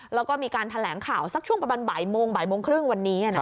แล้วก็มีการแถลงข่าวสักช่วงประมาณบ่ายโมงบ่ายโมงครึ่งวันนี้